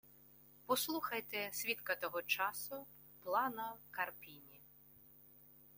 Послухайте свідка того часу Плано Карпіні: